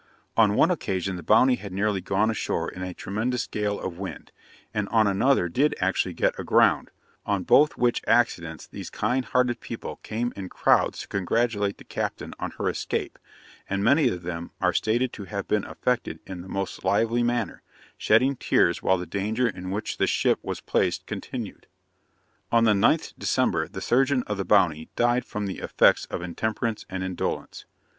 On one occasion the Bounty had nearly gone ashore in a tremendous gale of wind, and on another did actually get aground; on both which accidents, these kind hearted people came in crowds to congratulate the captain on her escape; and many of them are stated to have been affected in the most lively manner, shedding tears while the danger in which the ship was placed continued. On the 9th December, the surgeon of the Bounty died from the effects of intemperance and indolence.